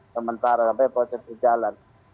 sementara sampai proses berjalan